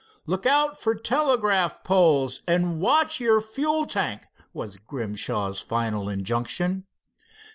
"Look out for telegraph poles, and watch your fuel tank," was Grimshaw's final injunction.